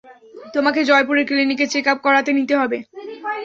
তোমাকে জয়পুরের ক্লিনিকে চেক-আপ করাতে নিতে হবে।